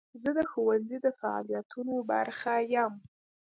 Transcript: زه د ښوونځي د فعالیتونو برخه یم.